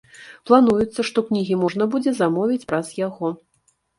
Плануецца, што кнігі можна будзе замовіць праз яго.